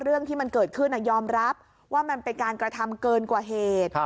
เรื่องที่มันเกิดขึ้นยอมรับว่ามันเป็นการกระทำเกินกว่าเหตุ